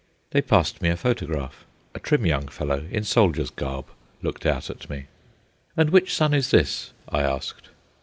They passed me a photograph. A trim young fellow, in soldier's garb looked out at me. "And which son is this?" I asked.